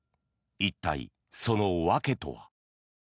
一体、その訳とは。